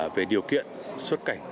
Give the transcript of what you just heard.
về điều kiện xuất cảnh